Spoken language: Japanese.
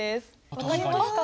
分かりますか？